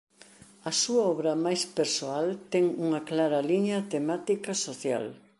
A súa obra máis persoal ten unha clara liña temática social.